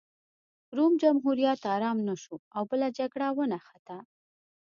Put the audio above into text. روم جمهوریت ارام نه شو او بله جګړه ونښته